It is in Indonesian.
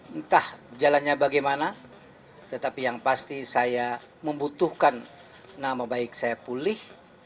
entah jalannya bagaimana tetapi yang pasti saya membutuhkan nama baik saya pulih